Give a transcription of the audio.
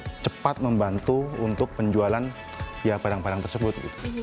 dan itu sangat cepat membantu untuk penjualan barang barang tersebut